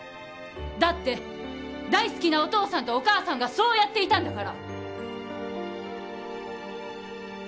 だって大好きなお父さんとお母さんがそうやっていたんだから！